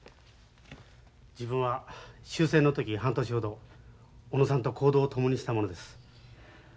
自分は終戦の時半年ほど小野さんと行動を共にした者です。